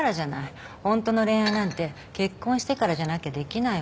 ホントの恋愛なんて結婚してからじゃなきゃできないわ。